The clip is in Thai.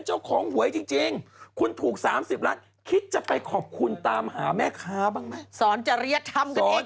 แล้วแต่ตอบว่าคงทำอย่างอื่นให้กว้างขวาง